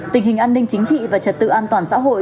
tình hình an ninh chính trị và trật tự an toàn xã hội